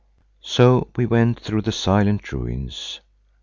So we went through the silent ruins.